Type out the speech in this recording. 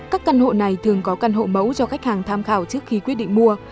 các căn hộ này thường có căn hộ mẫu cho khách hàng tham khảo trước khi quyết định mua